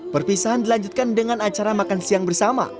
perpisahan dilanjutkan dengan acara makan siang bersama